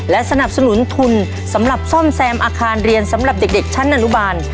และสนับสนุนทุนสำหรับซ่อมแซมอาคารเรียนสำหรับเด็กชั้นอนุบาล